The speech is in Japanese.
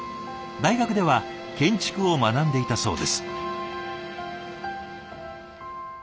大学では建築を学んでいたそうです。